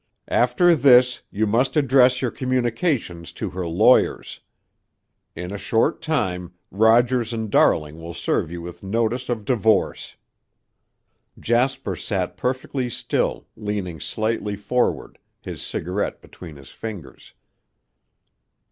After this, you must address your communications to her lawyers. In a short time Rogers and Daring will serve you with notice of divorce." Jasper sat perfectly still, leaning slightly forward, his cigarette between his fingers.